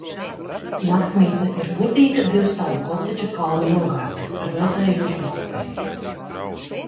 Naksmītne ir burvīga divstāvu kotedža kalna nogāzē, ar veldzējošu baseinu.